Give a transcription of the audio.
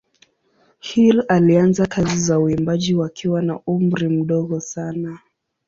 Hill alianza kazi za uimbaji wakiwa na umri mdogo sana.